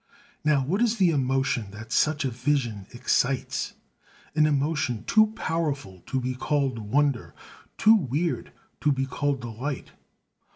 Now what is the emotion that such a vision excites, an emotion too powerful to be called wonder, too weird to be called delight?